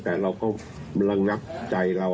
แต่เราก็ระงับใจเรา